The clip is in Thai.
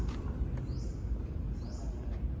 ผมไม่กล้าด้วยผมไม่กล้าด้วยผมไม่กล้าด้วย